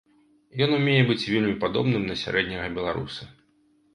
Ён умее быць вельмі падобным на сярэдняга беларуса.